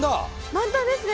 満タンですね。